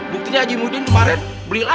buktinya haji muhyiddin kemarin beli lagi